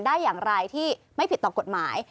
ได้อย่างไรที่ไม่ผิดต่อกฎหมาย